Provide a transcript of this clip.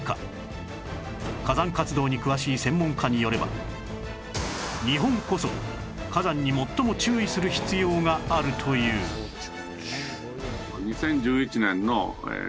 火山活動に詳しい専門家によれば日本こそ火山に最も注意する必要があるというにあるのは事実です。